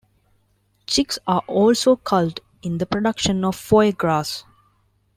Chicks are also culled in the production of foie gras.